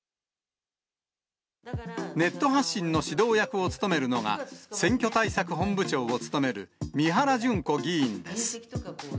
ネット発信の指導役を務めるのが、選挙対策本部長を務める三原じゅん子議員です。